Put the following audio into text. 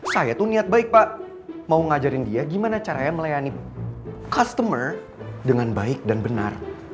saya tuh niat baik pak mau ngajarin dia gimana caranya melayani customer dengan baik dan benar